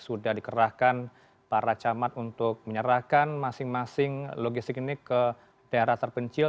sudah dikerahkan para camat untuk menyerahkan masing masing logistik ini ke daerah terpencil